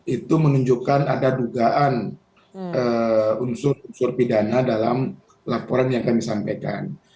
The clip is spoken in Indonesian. itu menunjukkan ada dugaan unsur unsur pidana dalam laporan yang kami sampaikan